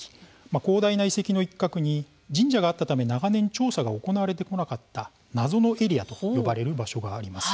広大な遺跡の一角に神社があったため長年、調査が行われてこなかった謎のエリアと呼ばれる場所があります。